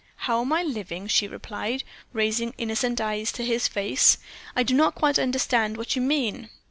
"How am I living?" she replied, raising innocent eyes to his face. "I do not quite understand what you mean."